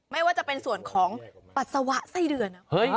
ไม่ว่าจะเป็นส่วนของปัสสาวะไส้เดือน